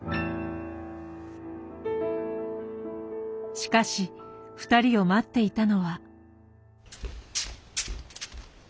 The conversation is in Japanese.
しかし２人を待っていたのは。